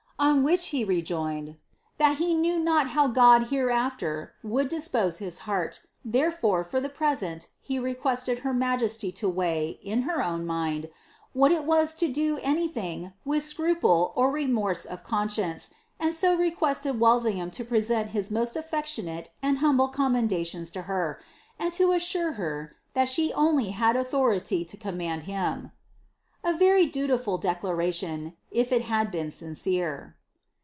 851 On which he rejoined, ^ that he knew not how God hereafter would dbpose hie heart, therefore for the present he requested her majesty to veiffh, in her own mind, what it was to do anything with scruple or rnnorse of conscience, and so requested Walsingham to present his most affectionate . and humble commendations to her, and to assure her that she only had authority to command him." ' A very dutiful decla ration, if it had been sincere.